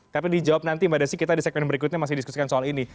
tapi dijawab nanti mbak desi kita di segmen berikutnya masih diskusikan soal ini